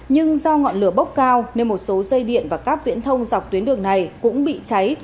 nhưng do ngọn lửa bốc cao nên một số dây điện và cáp viễn thông dọc tuyến đường này cũng bị cháy